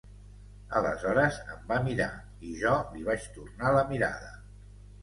Aleshores un em va mirar i jo li vaig tornar la mirada.